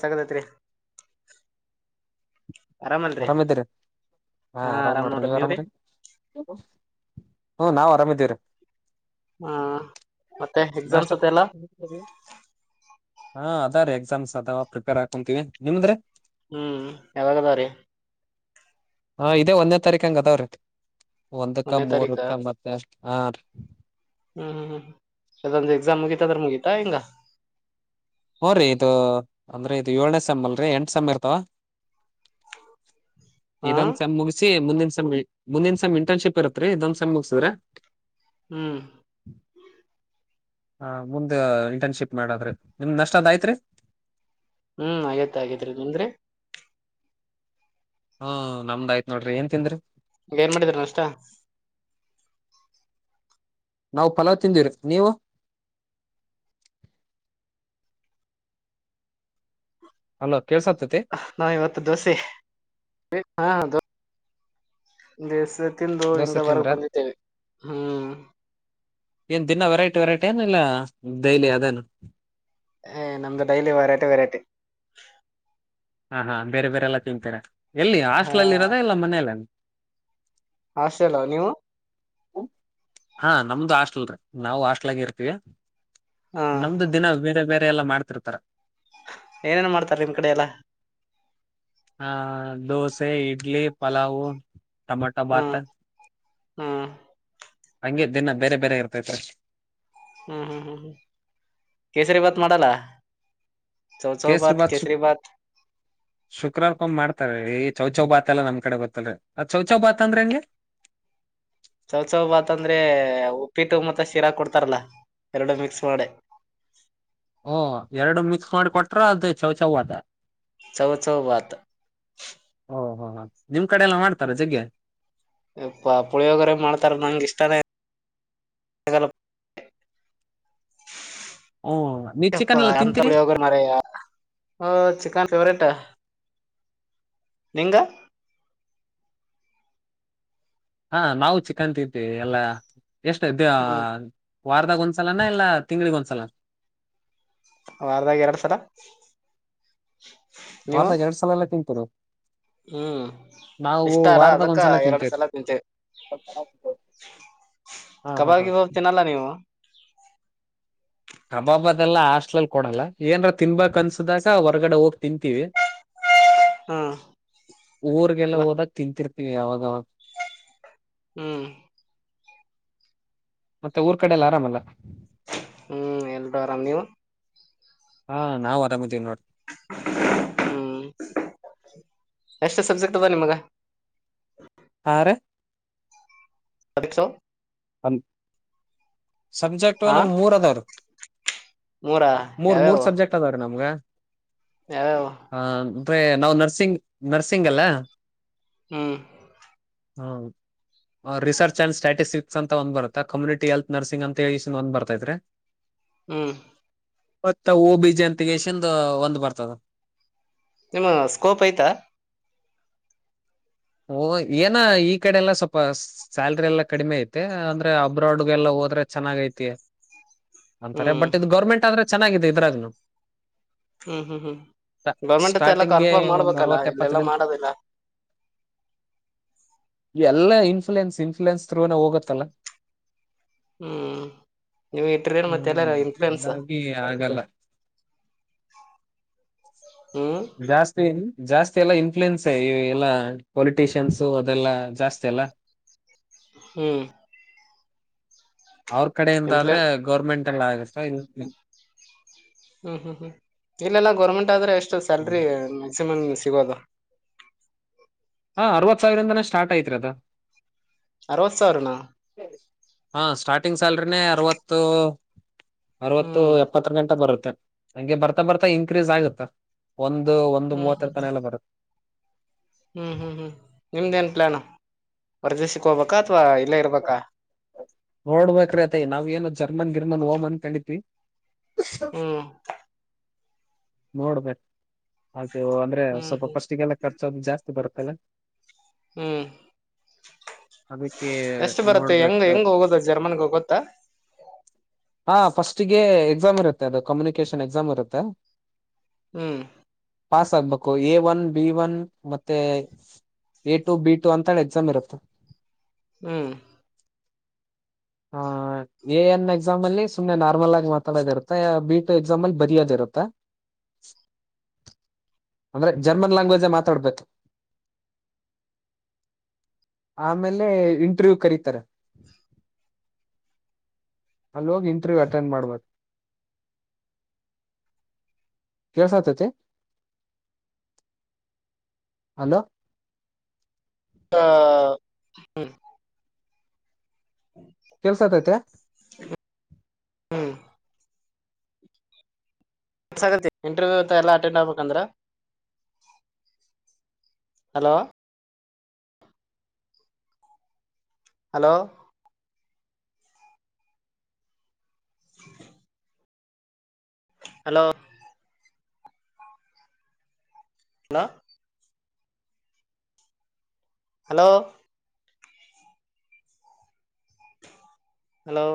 ಸ ಆಗದತ್ರಿ ಆರಾಮಲ್ರಿ ಆರಾಮಿದ್ದೀರಿ ಹಾ ಆರಾಮ್ ನೋಡ್ರಿ ನೀವ್ ಆರಾಮ್ರಿ ಹ್ಮ ನಾವ್ ಆರಾಮಿದೀವ್ರಿ ಹಾ ಮತ್ತೆ ನಾಷ್ಟ ಎಕ್ಸಾಮ್ಸ್ ಇತ್ತಲ್ಲ ಹಾ ಅದ ರೀ ಎಕ್ಸಾಮ್ಸ್ ಅದಾವ ಪ್ರಿಪೇರ್ ಹಾಕೊಂತೀವಿ ನಿಮದ್ರೆ ಹ್ಮ್ ಯಾವಾಗ ಅದಾ ರಿ ಹಾ ಇದೇ ಒಂದನೇ ತಾರೀಕ ಹಂಗ ಅದಾವ್ರೀ ಒಂದಕ್ಕ ಒಂದನೇ ತಾರೀಕ ಮೂರ್ಕ್ಕ ಮತ್ತೆ ಹಾರಿ. ಹ್ಮ್ ಹ್ಮ್ ಅದೊಂದು ಎಕ್ಸಾಮ್ ಮುಗಿತ ಅದ್ರೆ ಮುಗಿತಾ ಎಂಗ್. ಹ್ಮ್ರಿಇದು ಅಂದ್ರೆ ಇದು ಏಳ್ನೇ ಸೇಮ್ ಅಲ್ರರಿ ಎಂಟ ಸೇಮ್ ಇರ್ತಾವ. ಹಾ ಇದೊಂದ್ ಸೇಮ್ ಮುಗಿಸಿ ಮುಂದಿನ ಸೇಮ್ ಮುಂದಿನ ಸ್ ಇಂಟರ್ನ್ಶಿಪ್ ಇರತ್ರಿ ಇದೊಂದ್ ಸೇಮ್ ಮುಗಸಿದ್ರೆ. ಹ್ಮ್ ಹಾ ಮುಂದ ಇಂಟರ್ನ್ಶಿಪ್ ಮಾಡದ್ರಿ ನಿಮ್ದ್ ನಷ್ಟ ಅದಯ್ತ್ರಿ. ಹ್ಮ್ ಆಗ್ಯಾತ್ ಆಗ್ಯಾತ್ರಿ ನಿಮ್ಡ್ರಿ. ಹ್ಮ ನಮ್ದಯ್ತ್ ನೋಡ್ರಿ ಏನ್ ತಿಂದ್ರಿ. ಏನ್ ಮಾಡಿದ್ರಿ ನಾಷ್ಟ. ನಾವು ಪಲಾವ್ ತಿಂಧ್ವಿರಿ ನೀವು. ಹಲೋ, ನಾವ ಇವತ್ತು ದೋಸೆ ಹ ದೆ ದಸೆ ತಿಂದು ಇಂಗ ದೋಸೆ ತಿಂದ್ರ ಹೊರಗ ಬಂದಿದ್ದೇವಿ ಹ್ಮ್. ಏನ್ ದಿನಾ ವೆರೈಟಿ ವೆರೈಟಿ ಏನ ಇಲ್ಲ ಡೈಲಿ ಅದೇನಾ. ಹೇ ನಮ್ದ ಡೈಲಿ ವೆರೈಟಿ, ವೆರೈಟಿ ಹಾ ಹಾ ಬೇರೆ ಬೇರೆಲ್ಲ ತಿಂತಾರೆ ಎಲ್ಲಿ ಹಾ ಹಾಸ್ಟ್ಲ ಅಲ್ಲಿ. ಇರೋದಾ ಇಲ್ಲ ಮನೇಲ್ಲ, ಹಾಸ್ಟಲ್ ನೀವು, ಹಾ ನಮ್ದು ಹಾಸ್ಟೆಲ್ ರೀ ನಾವು ಹಾಸ್ಟೆಲ್ಗೆ ಇರ್ತೀವಿ. ಹಾ ನಮ್ದು ದಿನ ಬೇರೆ ಬೇರೆ ಎಲ್ಲಾ ಮಾಡ್ತಿರ್ತಾರ. ಏನೇನ್ ಮಾಡ್ತಾರೆ ನಿಮ್ ಕಡೆ ಎಲ್ಲ. ಹಾ ದೋಸೆ, ಇಡ್ಲಿ, ಪಲಾವು, ಟಮಾಟೊ ಬಾತ. ಹ್ಮ್ ಹ್ಮ್ ಹಂಗೆ ದಿನಾ ಬೇರೆ ಬೇರೆ ಇರ್ತೈತ್ರಿ. ಹ್ಮ್ ಹ್ಮ್ ಹ್ಮ್ ಹ್ಮ್ ಕೇಸರಿ ಬಾತ್ ಮಾಡಲ್ಲ. ಕೇಸರಿ ಬಾತ್. ಷು ಶುಕ್ರವಾರಕೊಮ್ಮೆ ಮಾಡ್ತ ಥೈ ಚೌಚೌ ಭಾತ್ ಎಲ್ಲಾ ನಮ್ ಕಡೆ ಗೊತ್ತಿಲ್ರಿ. ಅದ್ ಚೌಚೌ ಭಾತ ಅಂದ್ರೆ ಹೆಂಗೆ, ಚೌ ಚೌ ಭಾತ್ ಅಂದ್ರೆ ಉಪ್ಪಿಟ್ಟು, ಮತ್ತ ಶೀರಾ ಕೊಡ್ತಾರಲ್ಲಾ. ಎರಡು ಮಿಕ್ಸ್ ಮಾಡಿ. ಓ ಎರಡು ಮಿಕ್ಸ್ ಮಾಡಿ ಕೊಟ್ರ ಅದ ಚೌಚೌ ಬಾತ್. ಚೌಚೌ ಬಾತ್. ಹ್ಮ್. ಹ್ಮ್. ಎಪ್ಪ ಪುಳಿಯೋಗರೇ ಮಾಡ್ತಾರ ನಂಗೆ ಇಷ್ಟಾನೇ [unintelligible] ಹ್ಮ್. [unintelligible] ಚಿಕನ್ ಫೇವರೇಟ್ ನಿಂಗ, ಹಾ ನಾವು ಚಿಕ್ಕನ್ ತಿಂತೀವಿ. ಎಲ್ಲ ಎಷ್ಟ ದೇ ಹ್ಮ್ ವಾರದಾಗ ಒಂದ್ಸಲನಾ ಇಲ್ಲ, ತಿಂಗಳಿಗಿ ಒಂದ್ಸಲ, ವಾರದಾಗ ಎರಡ್ ಸಲಾ. ವಾರದಗ ಎರಡು ಸಲಾನು ತಿಂತಿರಿ. ಹ್ಮ್ ಇಷ್ಟ ಅಲ್ಲ ವಾರದಾಗ ಅದಕ್ಕ ಒಂದ್ಸಲ ಎರಡು ತಿಂತೇವಿ ಸಲಾನು ತಿಂತಿವಿ. ಹಾ ಹಾ ಕಬಾಬ್ ಹಾ ಗಿಬಾಬ್ ಹ ತಿನಲ್ಲ ನೀವು. ಕಬಾಬ ಅದೆಲ್ಲ ಹಾಸ್ಟ್ಲಲ್ ಕೊಡಲ್ಲ ಏನ್ರ ತಿನ್ಬೇಕಕ್ ಅನ್ಸುದಾಗ ಹೊರ್ಗಡೆ ಹೋಗ್ ತಿಂತೀವಿ. ಹ್ಮ್ [inaudible] ಊರ್ಗೆಲ್ಲ ಬಾ ಹೋದಾಗ ತಿಂರ್ತೀವಿ ಅವಾಗ ಅವ್ಗ. ಹ್ಮ್. ಮತ್ತೆ ಊರ್ ಕಡೆಲ್ಲ ಆರಾಮಲ್ಲ. ಹ್ಮ್ ಎಲ್ರೂ ಆರಾಮ ನೀವು. ಹಾ ನಾವು ಆರಾಮಿದ್ದೀವಿ ನೋಡ್ರಿ. ಹ್ಮ್ ಎಷ್ಟು ಸಬ್ಜೆಕ್ಟ್ ಅದ ನಿಮ್ಗ. ಹಾರಿ. [unintelligible] ಹನ್ ಸಬ್ಜೆಕ್ಟ್ ಹಾ ನಮ್ ಮೂರ್ ಅದಾವ ಮೂರಾ ಮೂರ್ ಮೂರ್ ಸಬ್ಜೆಕ್ಟ್ ಅದಾವ ರೀ ನಮ್ಗ ಯಾವ ಅ್ರ ನಾವು ನರ್ಸಿಂಗ್ ನರ್ಸಿಂಗ್ ಅಲ್ಲ ಹ್ಮ್ ಹ್ಮ ರಿಸರ್ಚ್ ಆಂಡ್ ಸ್ಟ್ಯಾಟಿಸ್ಟಿಕ್ ಅಂತ ಒಂದ್ ಬರುತ್ತಾ ಕಮ್ಯುನಿಟಿ ಎಲ್ತ್ ನರ್ಸಿಂಗ್ ಅಂತ ಒಂದ್ ಬರ್ತೈತ್ರಿ ಹ್ಮ್ ಮತ್ತ ಓ ಬಿ ಜಂತಿಗೆ ಚಂದ ಒಂದ್ ಬರ್ತದ ನಿಮ್ಮ ಸ್ಕೋಪ್ ಐ್ತ ಓ ಏನ ಈ ಕಡೆ ಎಲ್ಲ ಸ್ವಲ್ಪ ಸ್ಯಾಲ್ರಿ ಎಲ್ಲಾ ಕಡಿಮೆ ಐತೆ ಅಂದ್ರೆ ಅಬ್ರಾಡ್ಗೆಲ್ಲ ಹೋದ್ರೆ ಚೆನ್ನಾಗೈಐತಿ ಅಂತಾರೆ ಹ್ಮ್ ಬಟ್ ಇ ಗೌರ್ಮೆಂಟ್ ಆದ್ರೆ ಚೆನ್ನಾಗಿದೆ ಇದ್ರಾಗನು ಹ್ಮ್ ಹ್ಮ್ ಹ್ಮ್ ಗೌರ್ಮೆಂಟ್ತ್ತ ಎಲ್ಲ ಸ್ಟಾರ್ಟಿಂಗ್ಗೆ ಕಾರ್ಪಲ್ ಒಂದ್ ಮಾಡ್ಬೇಕಲ್ಲ ಅರವತ್ ಇಲ್ಲೆಲ್ಲಾ ಎಪ್ಪತ್ತರಿಂದ ಮಾಡದಿಲ್ಲ ಎಲ್ಲ ಇನ್ಫ್ಲಯೆನ್ಸ್ ಇನ್ಫ್ಲೂಯೆನ್ಸ್ ಥ್ರೂನ ಹೋಗತ್ತಲ್ಲ ಹ್ಮ್ ನೀವು ಇಟ್ರೇನ್ ಮತ್ತೆ ಹ್ಮ್ ಎಲ್ಲಾರ ಇನ್ಫ್ಲೂಯೆನ್ಸ್ ಹಾಗಾಗಿ ಆಗಲ್ಲ [unintelligible] [inaudible] ಹ್ಮ್ ಜಾಸ್ತಿನ್ ಜಾಸ್ತಿ ಎಲ್ಲಾ ಇನ್ಫ್ಲೂಯೆನ್ಸ್ ಎಲ್ಲಾ ಪೊಲಿಟಿಷಿಯನ್ಸು ಅದೆಲ್ಲಾ ಜಾಸ್ತಿ ಅಲ್ಲ ಹ್ಮ್ ಅವ್ರ ಕಡೆೆಯಿಂದಾದ್ರೆ ಇಂಪ್ಲನ್ ಗೌರ್ಮೆಂಟ್ ಎಲ್ಲ ಆಗತ ಇ ಹ್ಮ್ ಹ್ಮ್ ಹ್ಮ್ ಇಲ್ಲೆಲ್ಲಾ ಗೌರ್ಮೆಂಟ್ ಆದ್ರೆ ಎಷ್ಟು ಸ್ಯಾಲ್ರಿ ಮ್ಯಾಕ್ಸಿಮಮ್ ಸಿಗೋದು ಹಾ ಅರವತ್ ಸಾವಿರಂದಾನೇ ಸ್ಟಾರ್ಟ್ ಐತ್ರಿ ಅದ ಅರವತ್ ಸಾವಿರನ ಹಾ ಸ್ಟಾರ್ಟಿಂಗ್ ಸ್ಯಾಲ್ರಿನೇ ಅರವತ್ತು ಅರವತ್ತು ಹ್ಮ್ ಎಪ್ಪತ್ತ ಗಂಟೆ ಬರುತ್ತೆ ಹಂಗೆ ಬರ್ತಾ ಬರ್ತಾ ಇನ್ಕ್ರೀಸ್ ಆಗುತ್ತಾ ಒಂದು ಒಂದು ಹ್ಮ್ ಮೂವತ್ತರ ತನ ಎಲ್ಲ ಬರುತ್ತೆ ವರದಿ ಸಿಕ್ಕ ಹಬೇಕಾ ಅಥವಾ ಇಲ್ಲೇ ಇರ್ಬೇಕಾ ನೋಡ್ಬೇಕ್ರೀ ಅಯತೈ ನಾವ್ ಏನು ಜರ್ಮನ್ ಗಿರ್ಮನ್ ಓಮ್ ಅನ್ ಕಂಡಿತವಿ ಹ್ಮ್ ನೋಡ್ಬೇಕೇು ಅತ ಅಂದ್ರೆ ಹ್ಮ್ ಸ್ವಲ್ಪ ಹ್ಮ್ ಪಷ್ಟಿಗೆಲ್ಲ ಖರ್ಚೋದು ಜಾಸ್ತಿ ಬರ್ತಲ್ಲ ಹ್ಮ್ ಅದಕ್ಕೆ ಎಷ್ಟು ಬರುತ್ತೆ ಹೆಂಗ ನೋಡ್ಬೇಕು ಹೆಂಗ್ ಹೋಗೋದ ಜರ್ಮನ್ಗ್ ಹೋಗುತ್ತಾ ಹಾ ಫಸ್ಟಿಗೆ ಎಕ್ಸಾಮ್ ಇರುತ್ತೆ ಅದು ಕಮ್ಯುನಿಕೇಶನ್ ಎಕ್ಸಾಮ್ ಇರುತ್ತೆ ಹ್ಮ್ ಪಾಸ್ ಆಗ್ಬೇಕು ಎ ಒನ್ ಬಿ ಒನ್ ಮತ್ತೆ ಎ ಟು ಬಿ ಟು ಅಂತಿ ಎಕ್ಸಾಮ್ ಇರುತ್ತೆ ಹ್ಮ್ ಹ ಎ ಎನ್ ಎಕ್ಸಾಮ್ ಅಲ್ಲಿ ಸು್ನೆ ನಾರ್ಮಲ್ ಆಗಿ ಮಾತಾಡೋದ ಇರುತ್ತ ಬಟ್ ಎಕ್ಸಾಮಲ್ಲಿ ಬರಿಯೋದ್ ಇರುತ್ತ ಅಂದ್ರೆ ಜರ್ಮನ್ ಲ್ಯಾಂಗ್ವೇಜ ಮಾತಾಡ್ಬೇಕು ಆಮೇಲೆ ಇಂಟರ್ವ್ಯೂ ಕರೀತಾರೆ ಅಲ್ಲೋಗಿ ಇಂಟರ್ವ್ಯೂ ಅಟೆಂಡ್ ಮಾಡ್ಬಾರ್ದು ಕ ಸಾಧ್ಯತೆ ಹಲೋ ಹ ಹ್ಮ್ ಕೇಳ್ಸತೈತೆ [unintelligible] ಹಾ ಗ ಇಂಟರ್ವ್ಯೂ ಎಾ ಅಟೆಂಡ್ ಆಗ್ಬೇಕಂದ್ರ hello hello [inaudible] hello hello hello hello